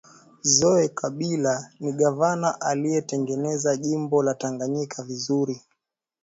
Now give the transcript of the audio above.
Zoe Kabila ni gavana aliye tengeneza jimbo la tanganyika vizuri